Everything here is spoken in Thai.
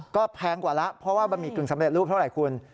ก็แพงกว่าแล้วเพราะว่าบะหมี่กึ่งสำเร็จรูปเท่าไหร่คุณ